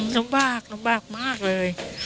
ลำบากลำบากมากเลย